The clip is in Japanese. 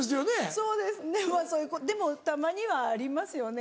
そうですねでもたまにはありますよね